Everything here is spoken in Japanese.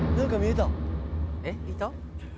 えっいた？